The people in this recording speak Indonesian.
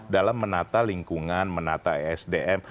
dalam menata lingkungan menata sdm